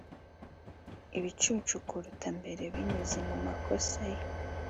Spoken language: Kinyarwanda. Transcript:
Ibicucu kuruta mbere binyuze mumakosa ye